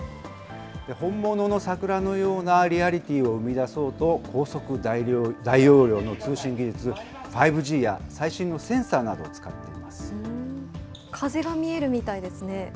本物の桜のようなリアリティーを生みだそうと、高速大容量の通信技術、５Ｇや、最新のセンサーなどを使っていま風が見えるみたいですね。